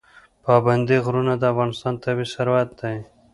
پابندی غرونه د افغانستان طبعي ثروت دی.